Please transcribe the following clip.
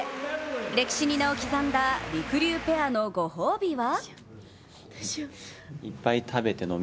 歴史に名を刻んだりくりゅうペアのご褒美は？